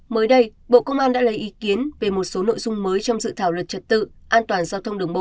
mới đây bộ công an đã lấy ý kiến về một số nội dung mới trong dự thảo luật trật tự an toàn giao thông đường bộ